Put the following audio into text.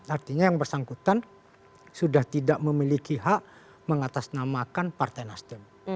artinya yang bersangkutan sudah tidak memiliki hak mengatasnamakan partai nasdem